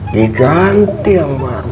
diganti yang baru